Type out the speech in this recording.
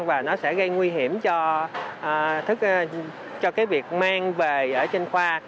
và nó sẽ gây nguy hiểm cho việc men về ở trên khoa